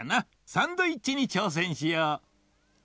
サンドイッチにちょうせんしよう！